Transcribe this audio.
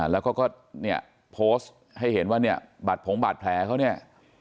แล้วก็เนี่ยโพสต์ให้เห็นว่าเนี่ยบาดผงบาดแผลเขาเนี่ย